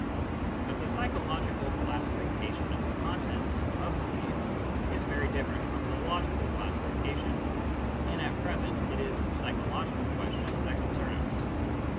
But the psychological classification of the contents of beliefs is very different from the logical classification, and at present it is psychological questions that concern us.